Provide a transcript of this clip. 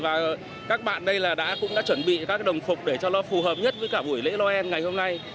và các bạn đây đã cũng đã chuẩn bị các đồng phục để cho nó phù hợp nhất với cả buổi lễ noel ngày hôm nay